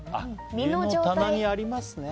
たまにありますね。